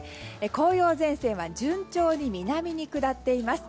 紅葉前線は順調に南に下っています。